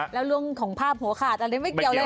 แล้วเรื่องของภาพหัวขาดอะไรไม่เกี่ยวเลย